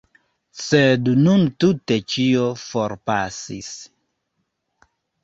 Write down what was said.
Sed nun tute ĉio forpasis.